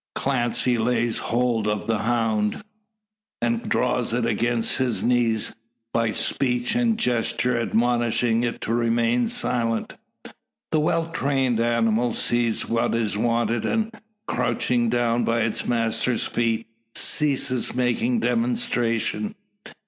Clancy lays hold of the hound, and draws it against his knees, by speech and gesture admonishing it to remain silent. The well trained animal sees what is wanted; and, crouching down by its master's feet, ceases making demonstration.